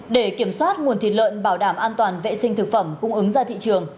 để kiểm soát nguồn thịt lợn bảo đảm an toàn vệ sinh thực phẩm cung ứng ra thị trường